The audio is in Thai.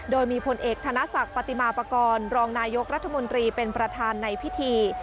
โดยมีผลเอกธนศักดิ์ปฏิมาปากรรองนายกรัฐมนตรีเป็นประธานในพิธี